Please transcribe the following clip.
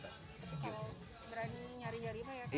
tapi kalau berani nyari nyari aja